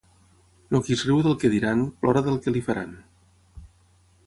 El qui es riu del que diran, plora del que li faran.